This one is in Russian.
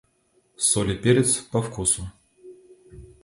Соль и перец по вкусу.